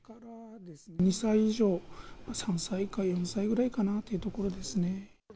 ２歳以上、３歳か４歳ぐらいかなというところですね。